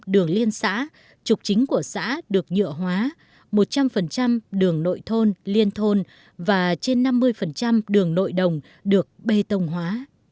một đường liên xã trục chính của xã được nhựa hóa một trăm linh đường nội thôn liên thôn và trên năm mươi đường nội đồng được bê tông hóa